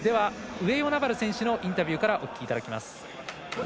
上与那原選手のインタビューからお聞きいただきます。